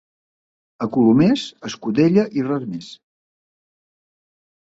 A Colomers, escudella i res més.